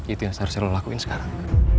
itu yang harus saya lakuin sekarang